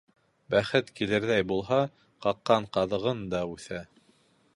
Бәхет килерҙәй булһа, ҡаҡҡан ҡаҙығың да үҫә.